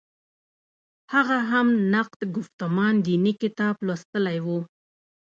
هغه هم نقد ګفتمان دیني کتاب لوستلی و.